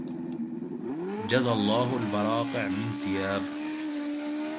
جزى الله البراقع من ثياب